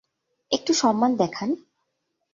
একটু সম্মান দেখান।